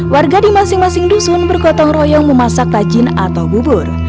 warga di masing masing dusun bergotong royong memasak rajin atau bubur